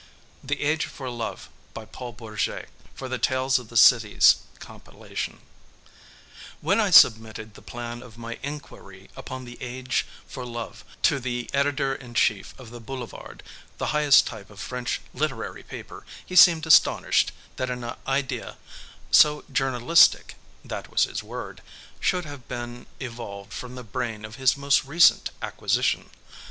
THE AGE FOR LOVE BY PAUL BOURGET When I submitted the plan of my Inquiry Upon the Age for Love to the editor in chief of the Boulevard, the highest type of French literary paper, he seemed astonished that an idea so journalistic that was his word should have been evolved from the brain of his most recent acquisition.